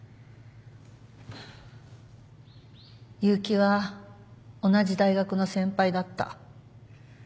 結城は同じ大学の先輩だった。